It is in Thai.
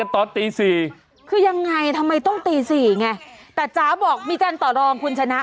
ต้องตี๔ไงแต่จ๋าบอกมีการต่อรองคุณชนะ